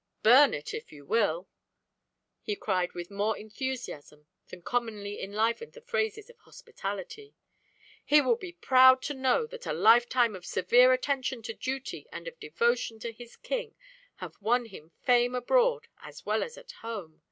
Burn it if you will!" he cried with more enthusiasm than commonly enlivened the phrases of hospitality. "He will be proud to know that a lifetime of severe attention to duty and of devotion to his King have won him fame abroad as well as at home.